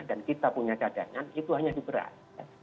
dan kita punya cadangan itu hanya di beras